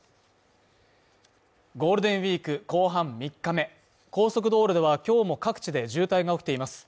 ゴールデンウィーク後半３日目高速道路では今日も各地で渋滞が起きています。